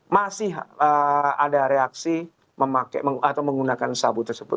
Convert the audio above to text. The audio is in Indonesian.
masih ada reaksi menggunakan sabu tersebut